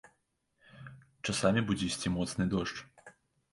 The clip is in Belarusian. Часамі будзе ісці моцны дождж.